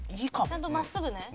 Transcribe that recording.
ちゃんと真っすぐね。